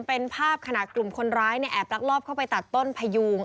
เป็นภาพขณะกลุ่มคนร้ายเนี่ยแอบลักลอบเข้าไปตัดต้นพยูง